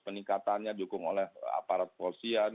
meningkatannya dihukum oleh aparat kursi